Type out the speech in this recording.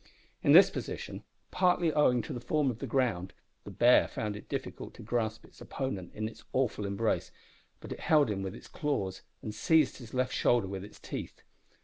In this position, partly owing to the form of the ground, the bear found it difficult to grasp its opponent in its awful embrace, but it held him with its claws and seized his left shoulder with its teeth.